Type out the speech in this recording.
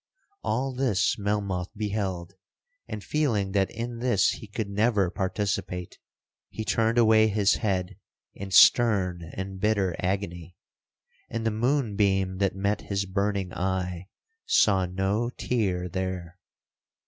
—All this Melmoth beheld; and feeling that in this he could never participate, he turned away his head in stern and bitter agony,—and the moon beam that met his burning eye saw no tear there.